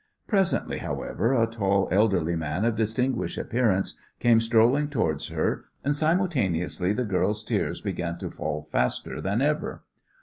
Presently, however, a tall, elderly man of distinguished appearance came strolling towards her, and simultaneously the girl's tears began to fall faster than ever.